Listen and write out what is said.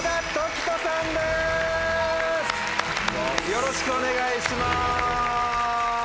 よろしくお願いします。